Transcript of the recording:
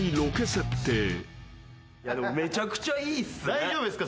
めちゃくちゃいいっすね。